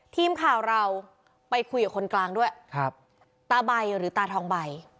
ทีมข่าวเราไปคุยกับคนกลางด้วยครับตาใบหรือตาทองใบ